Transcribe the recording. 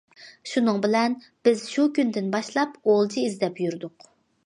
شۇنىڭ بىلەن بىز شۇ كۈندىن باشلاپ« ئولجا» ئىزدەپ يۈردۇق.